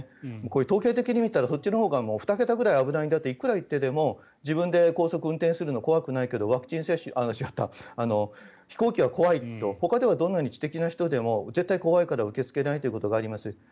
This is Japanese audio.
統計的に見てもそっちのほうが２桁くらい危ないんだといっても自分で高速を運転するのは怖くないけど飛行機は怖いとほかではどんなに知的な人でも絶対怖いから受け付けないことがあります。